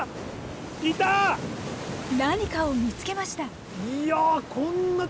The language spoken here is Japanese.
何かを見つけました。